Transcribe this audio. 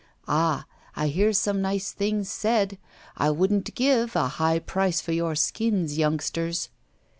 Ah! I hear some nice things said; I wouldn't give a high price for your skins, youngsters.